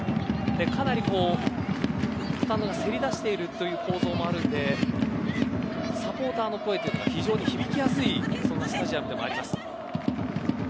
かなり、スタンドがせり出しているという構造もあるのでサポーターの声というのは非常に響きやすいそんなスタジアムでもあります。